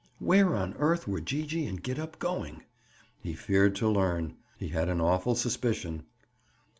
Where on earth were Gee gee and Gid up going? He feared to learn. He had an awful suspicion.